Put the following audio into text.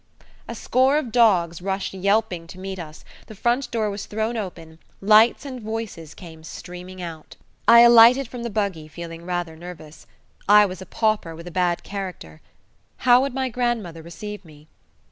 A score of dogs rushed yelping to meet us, the front door was thrown open, lights and voices came streaming out. I alighted from the buggy feeling rather nervous. I was a pauper with a bad character. How would my grandmother receive me?